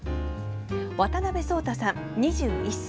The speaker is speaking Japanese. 渡辺奏太さん、２１歳。